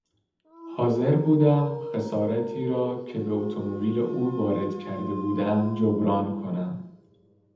حاضر بودم خسارتی را که به اتومبیل او وارد کرده بودم جبران کنم.